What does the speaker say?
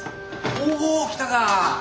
おお来たか！